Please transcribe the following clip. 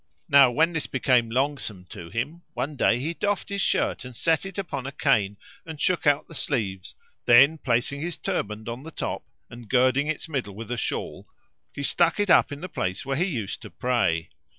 Now when this became longsome to him, one day he doffed his shirt and set it upon a cane and shook out the sleeves; then placing his turband on the top and girding its middle with a shawl, he stuck it up in the place where he used to pray.